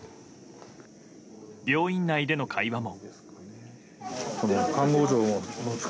病院内での会話も。